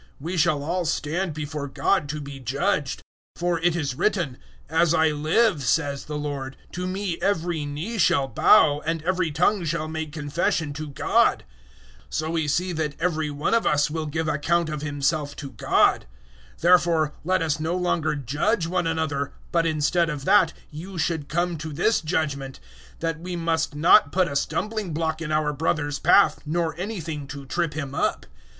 We shall all stand before God to be judged; 014:011 for it is written, "`As I live,' says the Lord, `to Me every knee shall bow, and every tongue shall make confession to God.'" 014:012 So we see that every one of us will give account of himself to God. 014:013 Therefore let us no longer judge one another; but, instead of that, you should come to this judgement that we must not put a stumbling block in our brother's path, nor anything to trip him up.